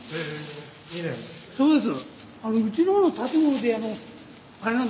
そうです。